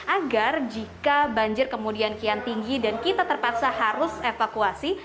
agar jika banjir kemudian kian tinggi dan kita terpaksa harus evakuasi